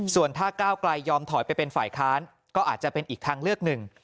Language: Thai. ส่วนถ้าก้าวไกลยอมถอยไปเป็นฝ่ายค้านก็อาจจะเป็นอีกทางเลือกหนึ่ง